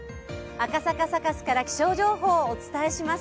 赤坂サカスから気象情報をお伝えします。